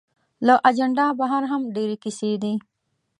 له اجنډا بهر هم ډېرې کیسې دي.